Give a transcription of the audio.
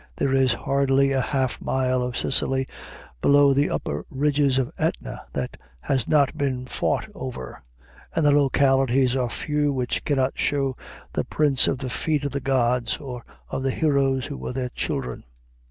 There is hardly a half mile of Sicily below the upper ridges of Ætna that has not been fought over; and the localities are few which cannot show the prints of the feet of the gods or of the heroes who were their children.